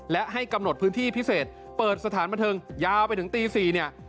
และให้กำหนดพื้นที่พิเศษเปิดสถานบันเทิงยาวไปถึงตี๔เนี่ย